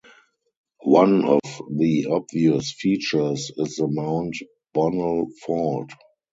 One of the obvious features is the Mount Bonnell Fault.